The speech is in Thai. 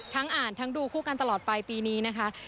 อ่านทั้งดูคู่กันตลอดไปปีนี้นะคะ